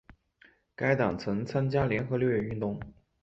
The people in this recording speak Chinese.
该党曾参加联合六月运动。